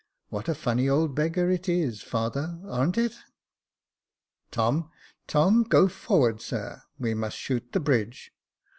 What a funny old beggar it is, father — aren't it ?"" Tom, Tom, go forward, sir ; we must shoot the bridge."